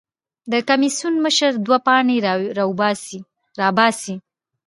د کمېسیون مشر دوه پاڼې راباسي.